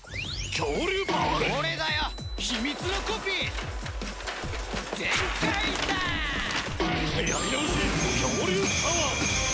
恐竜パワー！